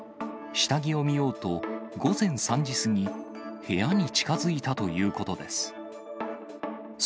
下着を見ようと、午前３時過ぎ、部屋に近づいたということです。